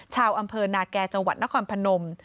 ชาวอำเภอนาแก่จังหวัดนครพนม